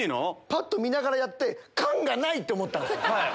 ぱっと見ながらやって「かん」がない！って思ったんすよ。